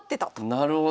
なるほど。